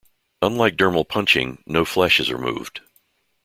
Unlike dermal punching, no flesh is removed.